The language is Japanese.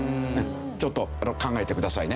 ちょっと考えてくださいね。